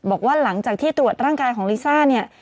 บอกว่าหลังจากที่ตรวจร่างกายของลิซ่าเนี่ย